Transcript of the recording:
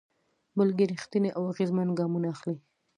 بلکې رېښتيني او اغېزمن ګامونه اخلي.